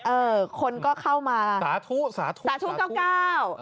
เออคนก็เข้ามาสาธุสาธุเก้า